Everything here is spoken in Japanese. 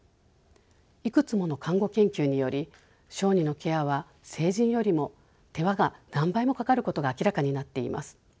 いくつもの看護研究により小児のケアは成人よりも手間が何倍もかかることが明らかになっています。